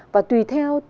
và tùy theo